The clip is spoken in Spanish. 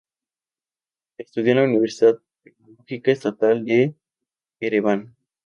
Estudió en la Universidad Pedagógica Estatal de Ereván.